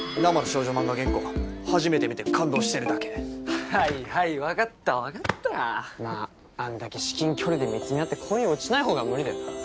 初めて見て感動してるだけはいはいわかったわかったまああんだけ至近距離で見つめ合って恋に落ちないほうが無理だよな